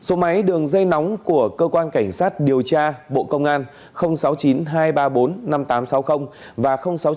số máy đường dây nóng của cơ quan cảnh sát điều tra bộ công an sáu mươi chín hai trăm ba mươi bốn năm nghìn tám trăm sáu mươi và sáu mươi chín hai trăm ba mươi hai